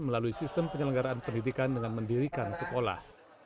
melalui sistem penyelenggaraan pendidikan dengan mendirikan sekolah